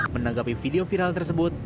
menanggapi video viral tersebut